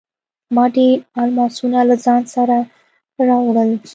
ما ډیر الماسونه له ځان سره راوړل.